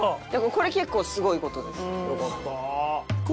これ結構すごい事です。